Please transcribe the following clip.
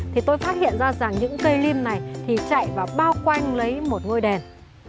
thì tôi phát hiện ra rằng những cây lim này thì chạy vào bao quanh lấy một ngôi đền